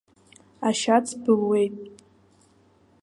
Ашьац былуеит.